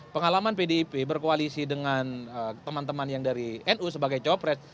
pengalaman pdip berkoalisi dengan teman teman yang dari nu sebagai copres